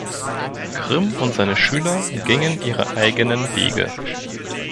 Grimm und seine Schüler gingen ihre eigenen Wege.